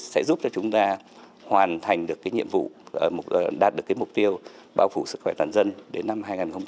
sẽ giúp cho chúng ta hoàn thành được nhiệm vụ đạt được mục tiêu bao phủ sức khỏe toàn dân đến năm hai nghìn ba mươi